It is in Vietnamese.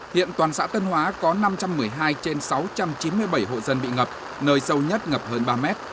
hiện toàn xã tân hóa có năm trăm một mươi hai trên sáu trăm chín mươi bảy hộ dân bị ngập nơi sâu nhất ngập hơn ba mét